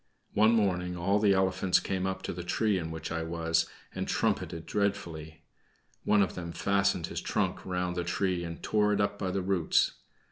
One morning all the elephants came up to the tree in which I was and trumpeted dreadfully. One of them fastened his trunk round the tree and tore it up by the roots.